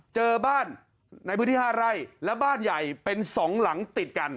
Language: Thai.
เจอบ้านในพื้นที่๕ไร่และบ้านใหญ่เป็น๒หลังติดกัน